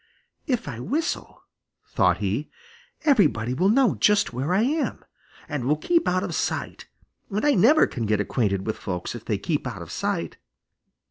"If I whistle," thought he, "everybody will know just where I am, and will keep out of sight, and I never can get acquainted with folks if they keep out of sight."